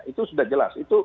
itu sudah jelas